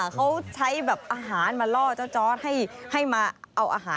เขาใช้แบบอาหารมาล่อเจ้าจอร์ดให้มาเอาอาหาร